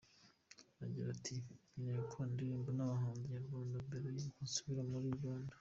Agira ati “Nkeneye gukorana indirimbo n’abahanzi nyarwanda mbere y’uko nsubira muri Uganda.